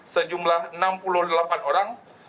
sejumlah enam puluh delapan orang